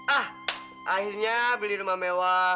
ah akhirnya beli rumah mewah